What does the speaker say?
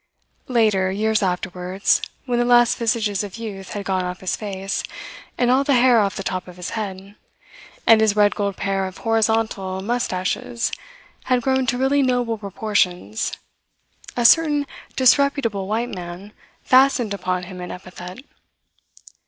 Later, years afterwards, when the last vestiges of youth had gone off his face and all the hair off the top of his head, and his red gold pair of horizontal moustaches had grown to really noble proportions, a certain disreputable white man fastened upon him an epithet.